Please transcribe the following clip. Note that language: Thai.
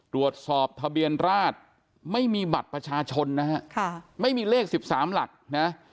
ตรวจสอบทะเบียนราชไม่มีบัตรประชาชนนะฮะไม่มีเลข๑๓หลักนะ